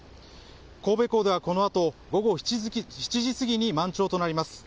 神戸港ではこのあと午後７時過ぎに満潮となります。